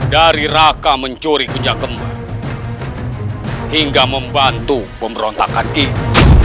dari raka mencuri kuncak gemba hingga membantu pemberontakan itu